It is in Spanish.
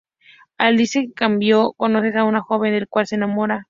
Alice, en cambio, conoce a un joven del cual se enamora.